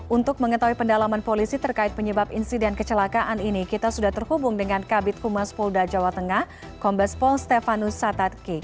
untuk mengetahui pendalaman polisi terkait penyebab insiden kecelakaan ini kita sudah terhubung dengan kabit humas polda jawa tengah kombes pol stefanus satadki